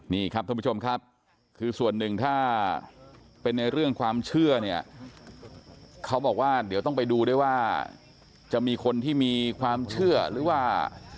นี่ครับท่านผู้ชมครับคือส่วนหนึ่งถ้าเป็นในเรื่องความเชื่อเนี่ยเขาบอกว่าเดี๋ยวต้องไปดูด้วยว่าจะมีคนที่มีความเชื่อหรือว่า